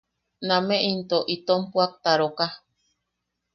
Name into itom puʼaktaroka.